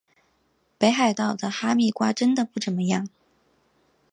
北海道哈密瓜真的不怎么样